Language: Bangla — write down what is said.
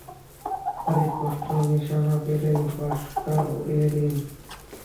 আর স্পষ্ট নিশানা পেলেই, বাঙ্কার উড়িয়ে দিন।